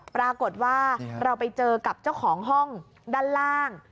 ปรากฏว่าเราไปเจอกับเจ้าของห้องด้านล่าง